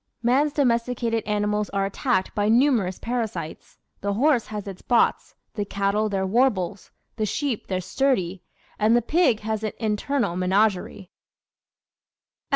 Man's domesticated animals are attacked by numerous parasites: the horse has its "bots," the cattle their "warbles," the sheep their "sturdie," and the pig has an internal menagerie.